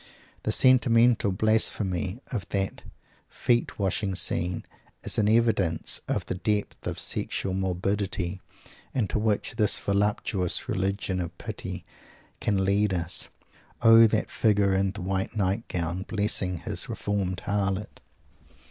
The sentimental blasphemy of that feet washing scene is an evidence of the depths of sexual morbidity into which this voluptuous religion of pity can lead us. O that figure in the white nightgown, blessing his reformed harlot!